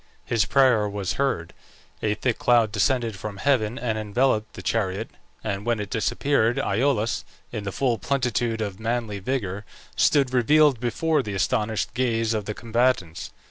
His prayer was heard. A thick cloud descended from heaven and enveloped the chariot, and when it disappeared, Iolaus, in the full plenitude of manly vigour, stood revealed before the astonished gaze of the combatants.